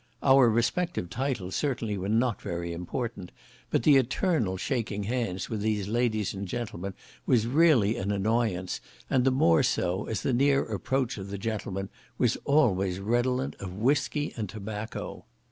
Our respective titles certainly were not very important; but the eternal shaking hands with these ladies and gentlemen was really an annoyance, and the more so, as the near approach of the gentlemen was always redolent of whiskey and tobacco.